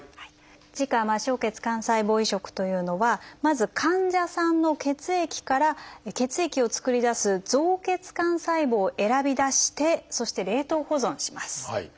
自家末梢血幹細胞移植というのはまず患者さんの血液から血液を造り出す造血幹細胞を選び出してそして冷凍保存します。